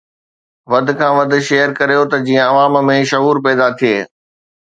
وڌ کان وڌ شيئر ڪريو ته جيئن عوام ۾ شعور پيدا ٿئي